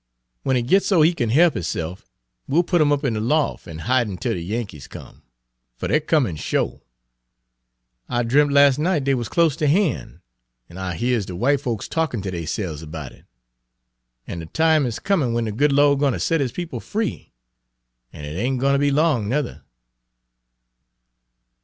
W'en 'e gits so 'e kin he'p 'isse'f we'll put 'im up in de lof' an' hide 'im till de Yankees come. Fer dey're comin' sho'. I dremp' las' night dey wuz close ter han', and I hears de w'ite folks talkin' ter deyse'ves 'bout it. An' de time is comin' w'en de good Lawd gwine ter set his people free, an' it ain' gwine ter be long, nuther."